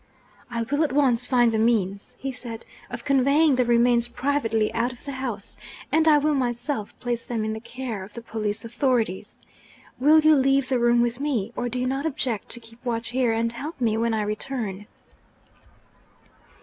'I will at once find the means,' he said, 'of conveying the remains privately out of the house, and I will myself place them in the care of the police authorities. Will you leave the room with me? or do you not object to keep watch here, and help me when I return?'